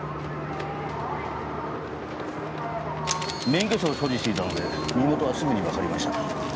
免許証を所持していたので身元はすぐにわかりました。